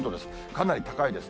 かなり高いです。